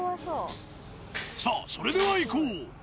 さあ、それではいこう。